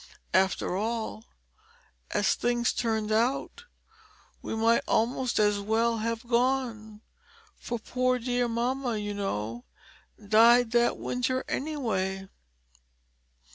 After all, as things turned out, we might almost as well have gone; for poor dear mamma, you know, died that winter anyway.